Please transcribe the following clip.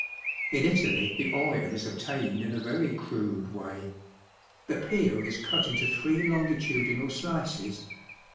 In Italy the oil is obtained in a very crude way. The peel is cut into three longitudinal slices.